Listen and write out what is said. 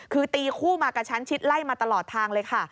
คือตีคู่มากระชั้นชิดไล่มาตลอดทางเลยค่ะ